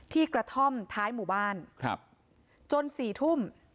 ที่กระท่อมท้ายหมู่บ้านจน๔ทุ่ม